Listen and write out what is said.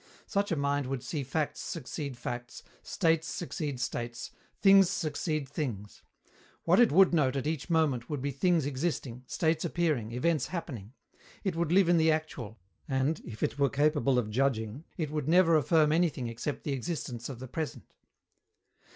Such a mind would see facts succeed facts, states succeed states, things succeed things. What it would note at each moment would be things existing, states appearing, events happening. It would live in the actual, and, if it were capable of judging, it would never affirm anything except the existence of the present.